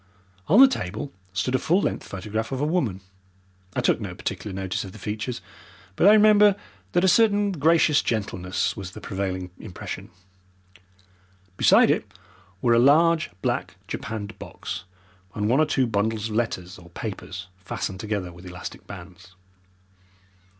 On the table stood a full length photograph of a woman I took no particular notice of the features, but I remember, that a certain gracious gentleness was the prevailing impression. Beside it were a large black japanned box and one or two bundles of letters or papers fastened together with elastic bands.